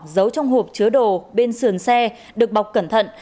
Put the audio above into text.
giấu trong hộp chứa đồ bên sườn xe được bọc cẩn thận